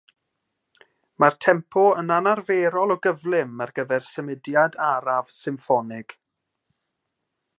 Mae'r tempo yn anarferol o gyflym ar gyfer symudiad araf symffonig.